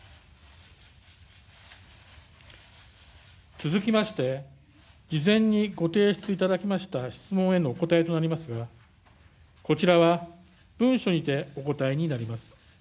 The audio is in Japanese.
続きまして、事前にご提出いただきました質問へのお答えとなりますがこちらは文書にてお答えになります。